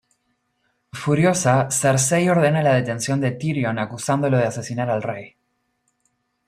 Furiosa, Cersei ordena la detención de Tyrion acusándolo de asesinar al rey.